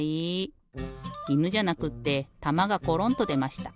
いぬじゃなくってたまがコロンっとでました。